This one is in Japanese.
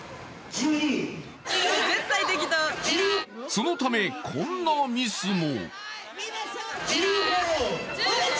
そのためこんなミスも。